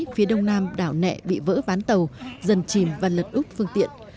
phía đông nam đảo nẹ bị vỡ ván tàu dần chìm và lật úc phương tiện